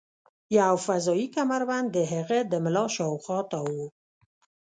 یو فضايي کمربند د هغه د ملا شاوخوا تاو و